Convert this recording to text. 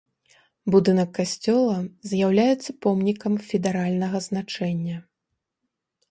Будынак касцёла з'яўляецца помнікам федэральнага значэння.